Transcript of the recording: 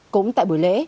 cũng tại buổi lễ